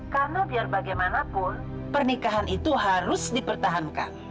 karena biar bagaimanapun pernikahan itu harus dipertahankan